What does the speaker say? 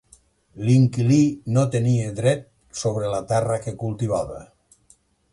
L'inquilí no tenia dret sobre la terra que cultivava.